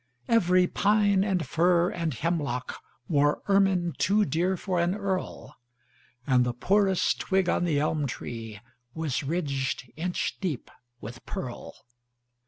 Every pine and fir and hemlockWore ermine too dear for an earl, And the poorest twig on the elm treeWas ridged inch deep with pearl.